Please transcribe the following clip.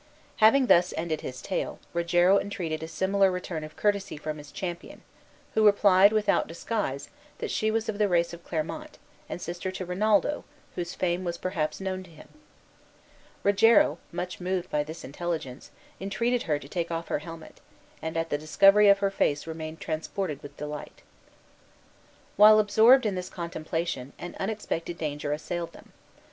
Having thus ended his tale, Rogero entreated a similar return of courtesy from his companion, who replied, without disguise, that she was of the race of Clermont, and sister to Rinaldo, whose fame was perhaps known to him. Rogero, much moved by this intelligence, entreated her to take off her helmet, and at the discovery of her face remained transported with delight. While absorbed in this contemplation, an unexpected danger assailed them.